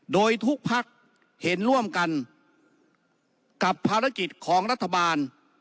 โดยทุกภักดิ์เห็นร่วมกันกับภารกิจของรัฐบาล